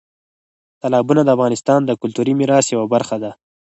تالابونه د افغانستان د کلتوري میراث یوه برخه ده.